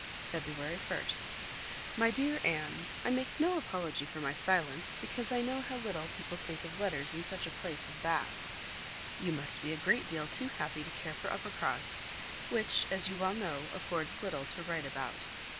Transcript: "February 1st. "MY DEAR ANNE, I make no apology for my silence, because I know how little people think of letters in such a place as Bath. You must be a great deal too happy to care for Uppercross, which, as you well know, affords little to write about.